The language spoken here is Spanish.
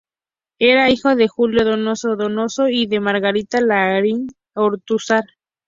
Era hijo de Julio Donoso Donoso y de Margarita Larraín Ortúzar.